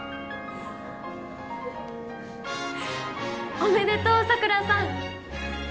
おめでとう佐倉さん